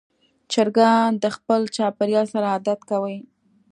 چرګان د خپل چاپېریال سره عادت کوي.